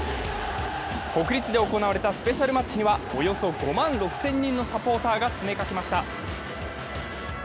国立で行われたスペシャルマッチにはおよそ５万６０００人のサポーターが詰めかけました。